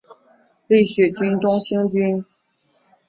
立雪郡东兴郡